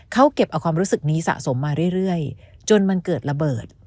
เขาเก็บเอาความรู้สึกนี้สะสมมาเรื่อยจนมันเกิดระเบิด